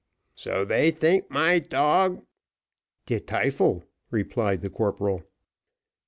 "So they think my dog " "De tyfel," replied the corporal.